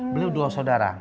beliau dua saudara